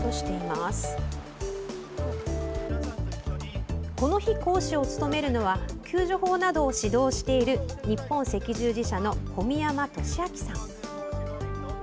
この日、講師を務めるのは救助法などを指導している日本赤十字社の小宮山利明さん。